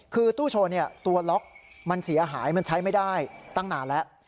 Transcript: คือตู้โชว์ตัวล็อกมันเสียหายมันใช้ไม่ได้ตั้งนานแล้ว